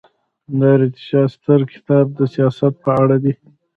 د ارتاشاسترا کتاب د سیاست په اړه دی.